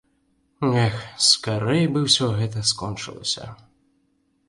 Эх, скарэй бы ўсё гэта скончылася!